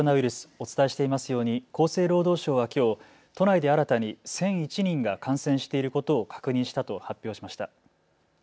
お伝えしていますように厚生労働省はきょう都内で新たに１００１人が感染していることを確認したと発表しました。